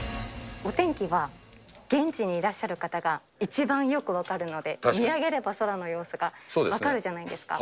お天気は、現地にいらっしゃる方が一番よく分かるので、見上げれば空の様子が分かるじゃないですか。